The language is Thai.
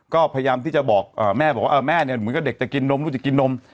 ก็พยายามที่จะบอกแม่บอกว่าแม่เนี่ยเหมือนกับเด็กจะกินนมรู้จักกินนม